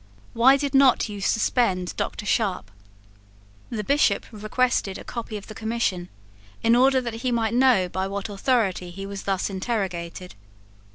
Why did not you suspend Dr. Sharp?" The Bishop requested a copy of the Commission in order that he might know by what authority he was thus interrogated.